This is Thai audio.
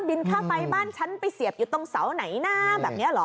ค่าไฟบ้านฉันไปเสียบอยู่ตรงเสาไหนนะแบบนี้เหรอ